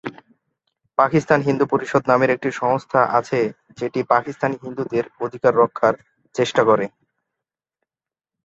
পাকিস্তান হিন্দু পরিষদ নামের একটি সংস্থা আছে যেটি পাকিস্তানি হিন্দুদের অধিকার রক্ষার চেষ্টা করে।